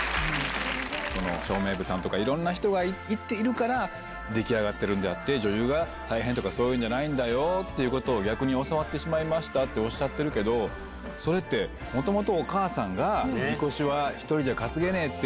「照明部さんとかいろんな人がいるから出来上がってるんであって女優が大変とかそういうんじゃないんだよって逆に教わってしまいました」っておっしゃってるけどそれって元々お母さんが。